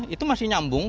itu masih nyambung